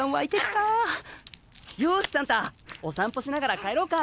よしサンタお散歩しながら帰ろうか！